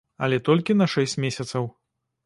Але толькі на шэсць месяцаў.